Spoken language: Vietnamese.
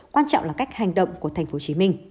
quan trọng là cách hành động của tp hcm